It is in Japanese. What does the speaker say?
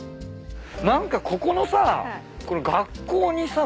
何かここのさ学校にさ